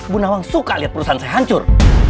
bu nawang suka lihat perusahaan saya hancur